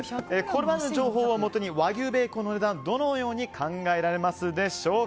これらの情報をもとに和牛ベーコンの値段どのように考えられますでしょう。